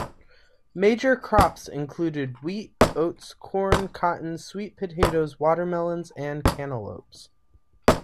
Major crops included wheat, oats, corn, cotton, sweet potatoes, watermelons, and cantaloupes.